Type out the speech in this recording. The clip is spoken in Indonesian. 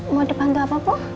mau dibantu apa bu